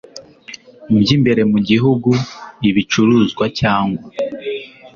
by imbere mu gihugu ibicuruzwa cyangwa